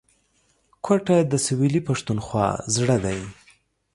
کوټه د سویلي پښتونخوا زړه دی